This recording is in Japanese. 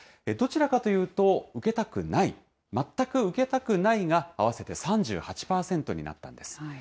どちらかというと受けたくない、全く受けたくないが合わせて３８％になったんです。